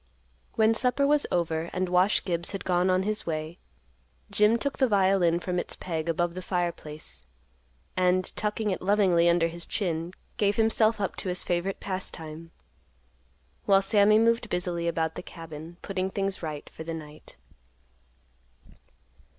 When supper was over, and Wash Gibbs had gone on his way; Jim took the violin from its peg above the fireplace, and, tucking it lovingly under his chin, gave himself up to his favorite pastime, while Sammy moved busily about the cabin, putting things right for the night.